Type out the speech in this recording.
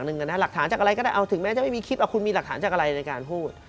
ในการพูด